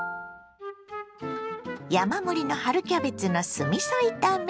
山盛りの春キャベツの酢みそ炒め。